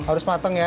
harus matang ya